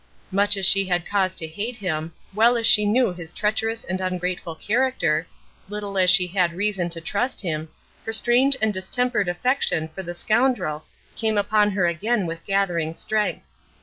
Much as she had cause to hate him, well as she knew his treacherous and ungrateful character, little as she had reason to trust him, her strange and distempered affection for the scoundrel came upon her again with gathering strength.